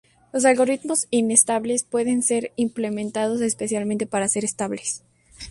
Los algoritmos inestables pueden ser implementados especialmente para ser estables.